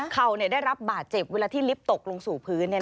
เขาได้รับบาดเจ็บเวลาที่ลิฟต์ตกลงสู่พื้น